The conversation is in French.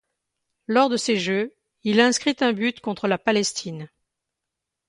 Lors de ces jeux, il inscrit un but contre la Palestine.